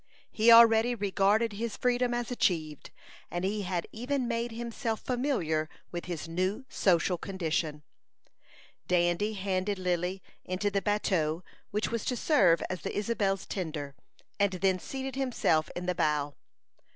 He already regarded his freedom as achieved, and he had even made himself familiar with his new social condition. Dandy handed Lily into the bateau which was to serve as the Isabel's tender, and then seated himself in the bow.